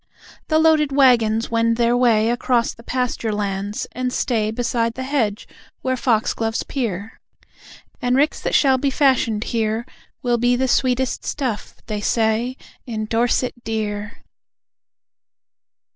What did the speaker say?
The loaded waggons wend their way Across the pasture lands, and stay Beside the hedge where foxgloves peer; And ricks that shall be fashioned here Will be the sweetest stuff, they say, In Dorset Dear!